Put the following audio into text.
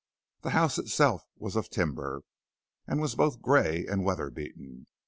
The house itself was of timber, and was both gray and weather beaten.